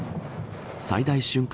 最大瞬間